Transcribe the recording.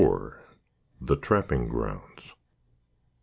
THE TRAPPING GROUNDS.